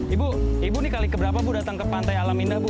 ibu ibu ini kali keberapa bu datang ke pantai alam indah bu